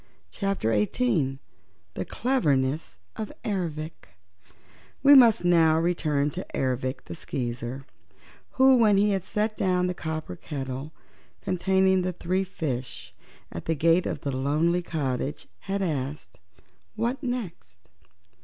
Chapter Eighteen The Cleverness of Ervic We must now return to Ervic the Skeezer, who, when he had set down the copper kettle containing the three fishes at the gate of the lonely cottage, had asked, "What next?"